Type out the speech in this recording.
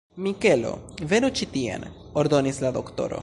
Mikelo, venu ĉi tien! ordonis la doktoro.